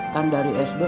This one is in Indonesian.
kan dari sd